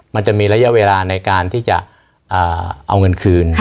มันจะมีระยะเวลาในการที่จะเอาเงินคืน